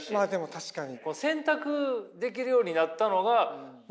確かにね。